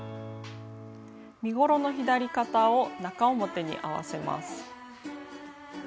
身ごろの左肩を中表に合わせます。